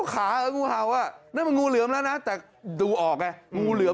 กั้นข้างไว้ขึ้นแบบอย่างไรไหมเลย